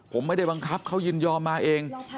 ผมไม่ได้บังคับเขายินยอมมาเอง